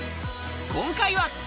今回は。